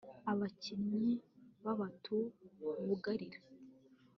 Abakinnyi babatu bugarira